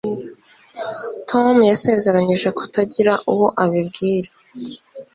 Tom yasezeranije kutagira uwo abibwira.